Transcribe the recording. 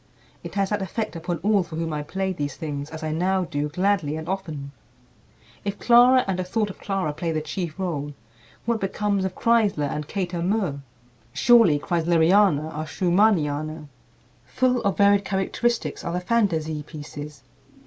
It has that effect upon all for whom I play these things, as I now do gladly and often." If Clara and a thought of Clara play the chief rôle, what becomes of Kreisler and Kater Murr? Surely "Kreisleriana" are Schumanniana. Full of varied characteristics are the "Fantasie Pieces."